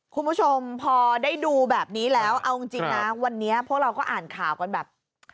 คุณผู้ชมพอได้ดูแบบนี้แล้วเอาจริงนะวันนี้พวกเราก็อ่านข่าวกันแบบ